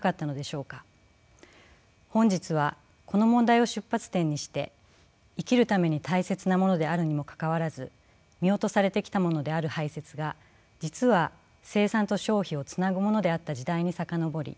本日はこの問題を出発点にして生きるために大切なものであるにもかかわらず見落とされてきたものである排泄が実は生産と消費をつなぐものであった時代に遡り